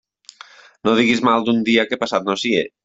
No diguis mal d'un dia que passat no sia.